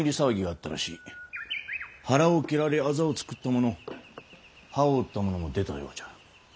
腹を蹴られあざを作ったもの歯を折ったものも出たようじゃ。